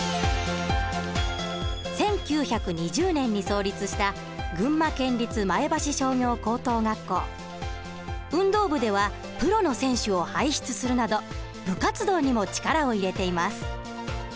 １９２０年に創立した運動部ではプロの選手を輩出するなど部活動にも力を入れています。